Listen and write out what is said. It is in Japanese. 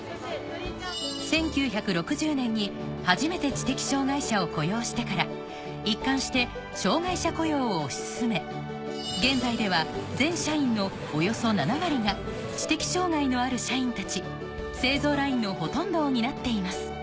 １９６０年に初めて知的障がい者を雇用してから一環して障がい者雇用を推し進め現在では全社員のおよそ７割が知的障がいのある社員たち製造ラインのほとんどを担っています